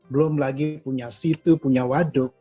belum lagi punya situ punya waduk